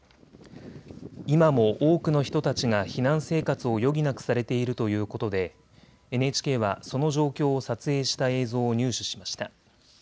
今も多くの人たちが避難生活を余儀なくされているということでＮＨＫはその状況を撮影した映像を入手しました。